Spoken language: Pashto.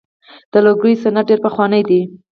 د لرګیو صنعت ډیر پخوانی دی.